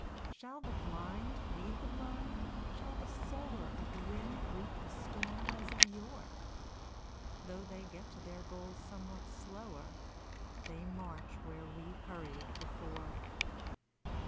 Shall the blind lead the blind shall the sower Of wind reap the storm as of yore? Though they get to their goal somewhat slower, They march where we hurried before.